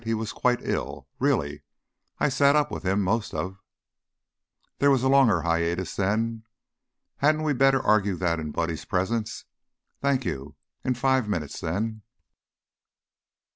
He was quite ill, really; I sat up with him most of " There was a longer hiatus then. "Hadn't we better argue that in Buddy's presence? Thank you. In five minutes, then."